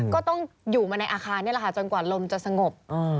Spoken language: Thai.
ก็ต้องอยู่มาในอาคารจนกว่าลมจะสงบ